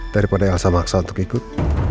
daripada elsa maksa untuk ikut